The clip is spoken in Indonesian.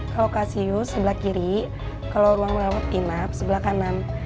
kalau kalsius sebelah kiri kalau ruang merawat inap sebelah kanan